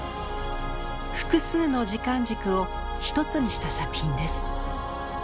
複数の時間軸を一つにした作品です。